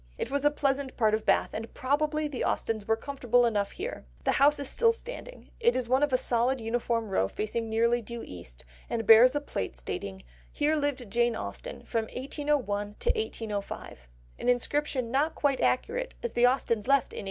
It was a pleasant part of Bath, and probably the Austens were comfortable enough here. The house is still standing; it is one of a solid uniform row facing nearly due east, and bears a plate stating "Here lived Jane Austen from 1801 1805," an inscription not quite accurate as the Austens left in 1804.